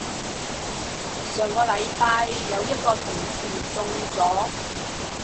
上個禮拜有一個同事中咗